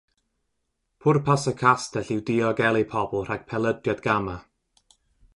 Pwrpas y castell yw diogelu pobl rhag pelydriad gama.